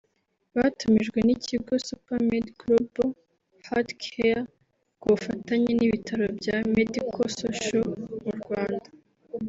batumijwe n’ikigo Supa Med Global Hearthcare ku bufatanye n’ibitaro bya Medico Social mu Rwanda